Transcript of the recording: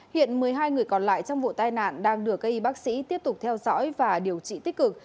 hiện một mươi hai người còn lại trong vụ tai nạn đang được cây y bác sĩ tiếp tục theo dõi và điều trị tích cực